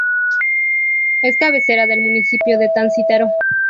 Es cabecera del municipio de Tancítaro.